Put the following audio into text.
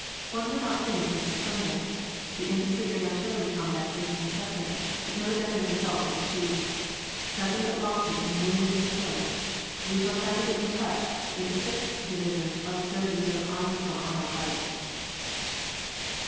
One would not think this is Sunday. The infantry and artillery combat is incessant, but no definite result is achieved. Nothing but losses in wounded and killed. We shall try to get into touch with the sixth division of the Third Reserve Army Corps on our right."